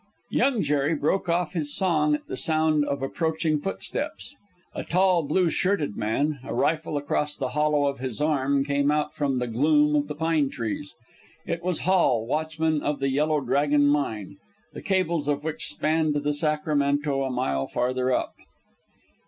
Young Jerry broke off his song at the sound of approaching footsteps, A tall, blue shirted man, a rifle across the hollow of his arm, came out from the gloom of the pine trees. It was Hall, watchman of the Yellow Dragon mine, the cables of which spanned the Sacramento a mile farther up.